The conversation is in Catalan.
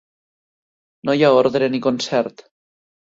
No hi ha ordre ni concert.